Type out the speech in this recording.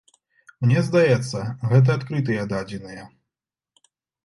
Мне здаецца, гэта адкрытыя дадзеныя.